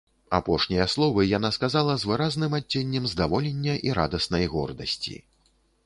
Апошнія словы яна сказала з выразным адценнем здаволення і радаснай гордасці.